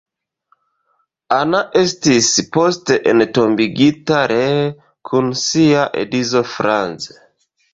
Anna estis poste entombigita ree kun sia edzo Franz.